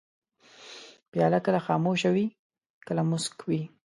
پیاله کله خاموشه وي، کله موسک وي.